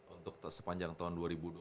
untuk sepanjang tahun